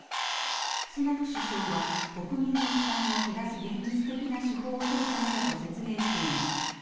スナク首相は国民の負担を減らす現実的な手法を取るためだと説明しています。